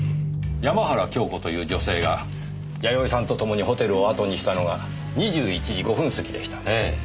山原京子という女性がやよいさんとともにホテルをあとにしたのが２１時５分過ぎでしたねぇ。